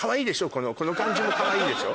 この感じもかわいいでしょ。